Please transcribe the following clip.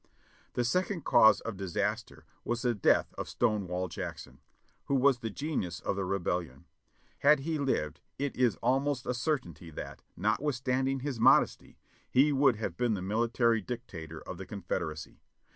The second cause of disaster was the death of Stonewall Jack son, who was the genius of the Rebellion. Had he lived it is almost a certainty that, notwithstanding his modesty, he would have been the Military Dictator of the Confederacy.